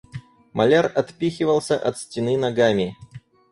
Маляр отпихивался от стены ногами.